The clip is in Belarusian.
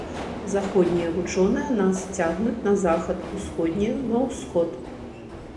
Заходнія вучоныя нас цягнуць на захад, усходнія на ўсход.